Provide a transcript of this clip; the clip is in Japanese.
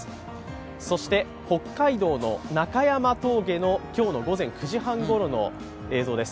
そして北海道の中山峠の今日の午前９時半ごろの映像です。